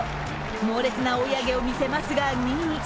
猛烈な追い上げを見せますが２位。